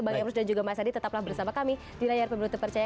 bang emrus dan juga mas adi tetaplah bersama kami di layar pemilu terpercaya